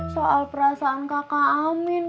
soal perasaan kakak amin